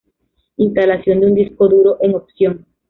Instalación de un disco duro en opción.